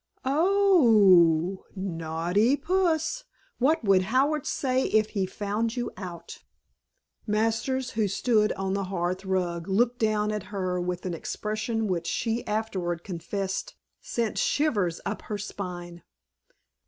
"Oh h h, naughty puss! What would Howard say if he found you out?" Masters, who stood on the hearth rug, looked down at her with an expression, which, she afterward confessed, sent shivers up her spine.